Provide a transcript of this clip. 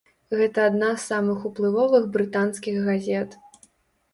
Гэта адна з самых уплывовых брытанскіх газет.